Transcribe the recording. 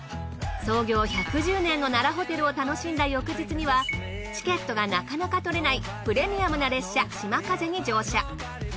創業１１０年の奈良ホテルを楽しんだ翌日にはチケットがなかなかとれないプレミアムな列車「しまかぜ」に乗車。